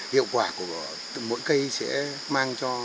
hiệu quả của mỗi cây sẽ mang cho